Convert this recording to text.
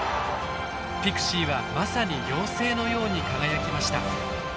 ピクシーはまさに妖精のように輝きました。